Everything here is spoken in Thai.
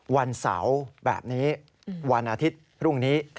วันเสาร์แบบนี้วันอาทิตย์พรุ่งนี้